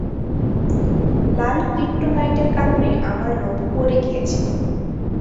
লাল ক্রিপ্টোনাইটের কারণে আমার লোম পড়ে গিয়েছিল।